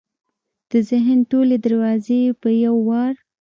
د ذهن ټولې دروازې یې په یو وار